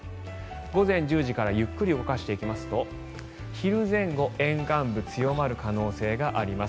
午前１０時からゆっくり動かしていくと昼前後、沿岸部強まる可能性があります。